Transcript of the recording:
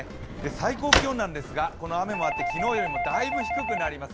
最高気温なんですがこの雨もあって昨日よりもだいぶ低くなります。